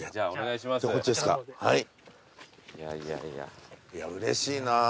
いやうれしいな。